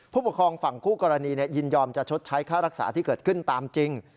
ผู้ปกครองฝั่งคู่กรณียินยอมจะชดใช้ค่ารักษาที่เกิดขึ้นตามจริง